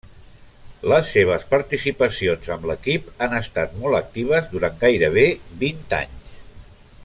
Les seves participacions amb l'equip han estat molt actives durant gairebé vint anys.